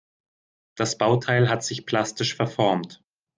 Das Bauteil hat sich plastisch verformt.